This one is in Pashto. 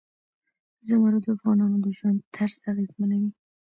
زمرد د افغانانو د ژوند طرز اغېزمنوي.